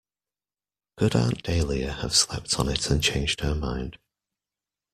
Could Aunt Dahlia have slept on it and changed her mind?